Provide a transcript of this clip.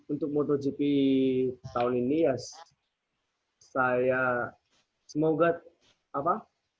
untuk motogp tahun ini ya saya semoga apa